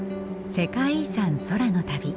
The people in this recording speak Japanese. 「世界遺産空の旅」。